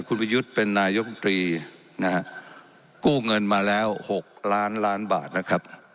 คุณประยุทธ์เป็นนายกรรมตรีนะฮะกู้เงินมาแล้ว๖ล้านล้านบาทนะครับ